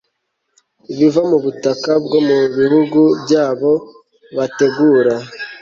ibiva mu butaka bwo mu bihugu byabo bategura